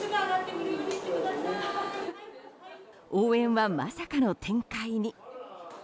応援はまさかの展開に。